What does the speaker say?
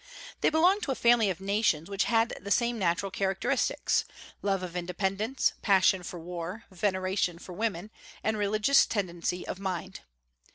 They belonged to a family of nations which had the same natural characteristics, love of independence, passion for war, veneration for women, and religious tendency of mind.